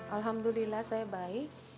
alhamdulillah saya baik